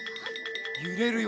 ゆれるよ。